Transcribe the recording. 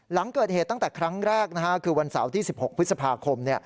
หลังเกิดเหตุตั้งแต่ครั้งแรกคือวันเสาร์ที่๑๖พฤษภาคม